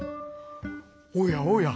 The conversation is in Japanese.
「おやおや。